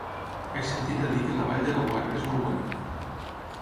He sentit a dir que la Vall de Laguar és molt bonic.